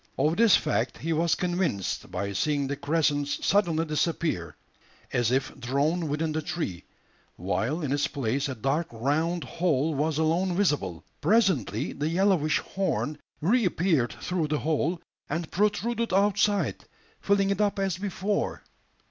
Of this fact he was convinced by seeing the crescent suddenly disappear as if drawn within the tree, while in its place a dark round hole was alone visible. Presently the yellowish horn reappeared through the hole, and protruded outside, filling it up as before!